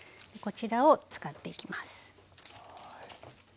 こちらを使っていきます。